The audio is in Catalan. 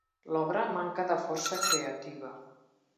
L'obra manca de força creativa.